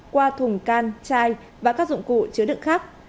qua thùng can chai và các dụng cụ chứa đựng khác